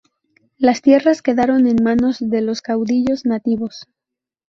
Las tierras quedaron en manos de los caudillos nativos.